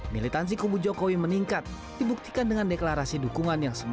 militansi kubu jokowi meningkat dibuktikan dengan deklarasi dukungan yang sempurna